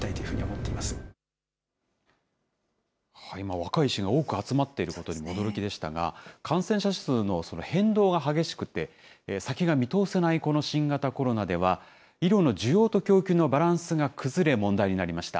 若い医師が多く集まっていることに驚きでしたが、感染者数の変動が激しくて、先が見通せないこの新型コロナでは、医療の需要と供給のバランスが崩れ、問題になりました。